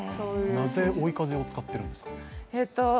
なぜ追い風用を使っているんですか？